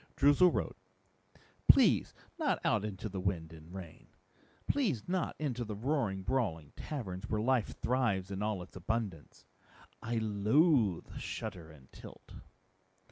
Droozle wrote, "Please not out into the wind and the rain. Please not into the roaring, brawling taverns where life thrives in all its abundance. I loathe shudder and tilt."